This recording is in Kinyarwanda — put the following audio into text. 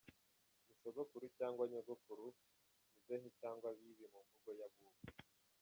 Ni sogokuru cyangwa nyogokuru, muzehe cyangwa bibi mu mvugo y’abubu.